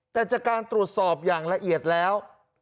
แต่จากการตรวจสอบอย่างละเอียดแล้ว